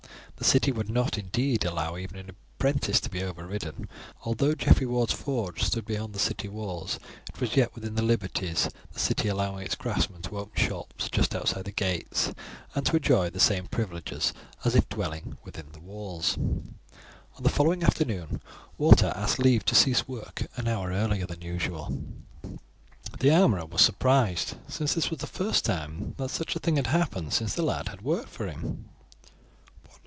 The city would not indeed allow even an apprentice to be overridden, and although Geoffrey Ward's forge stood beyond the city walls it was yet within the liberties, the city allowing its craftsmen to open shops just outside the gates, and to enjoy the same privileges as if dwelling actually within the walls. On the following afternoon Walter asked leave to cease work an hour earlier than usual, as he wished to go across into the city. The armourer was surprised, since this was the first time that such a thing had happened since the lad had worked for him.